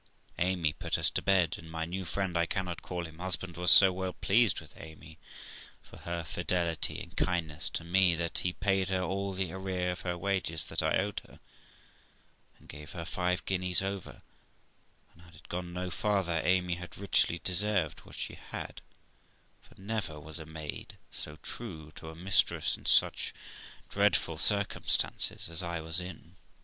Amy put us to bed, and my new friend I cannot call him husband was so well pleased with Amy for her fidelity and kindness to me that he paid her all the arrear of her wages that I owed her, and gave her five guineas over; and, had it gone no farther, Amy had richly deserved what she had, for never was a maid so true to her mistress in such dreadful circumstances as I was in.